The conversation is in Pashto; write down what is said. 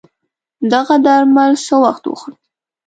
دغه درمل څه وخت وخورم